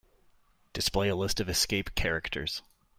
Display a list of escape characters.